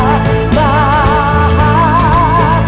manusia manusia kuat